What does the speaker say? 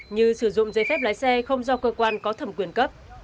như sử dụng giấy phép lái xe không do cơ quan có thẩm quyền cấp